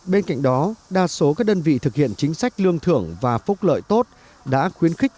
bên cạnh đó đa số các đơn vị thực hiện chính sách lương thưởng và phúc lợi tốt đã khuyến khích